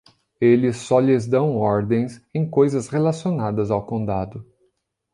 Eles só lhes dão ordens em coisas relacionadas ao condado.